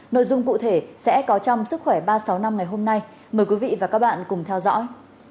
nội dung cụ thể sẽ có trong sức khỏe ba trăm sáu mươi năm ngày hôm nay mời quý vị và các bạn cùng theo dõi